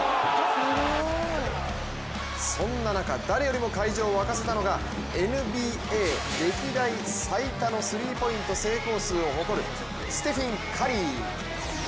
そんな中、誰よりも会場を沸かせたのがＮＢＡ歴代最多のスリーポイント成功数を誇るステフィン・カリー。